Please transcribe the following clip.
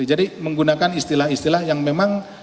jadi menggunakan istilah istilah yang memang